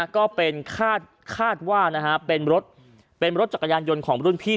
ก็คาดว่าเป็นรถจักรยานยนต์ของรุ่นพี่